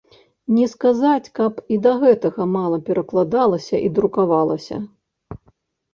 Не сказаць, каб і да гэтага мала перакладалася і друкавалася.